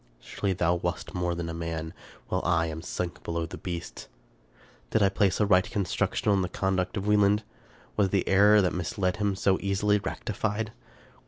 Surely thou wast more than man, while I am sunk below the beasts. Did I place a right construction on the conduct of Wie land? Was the error that misled him so easily rectified?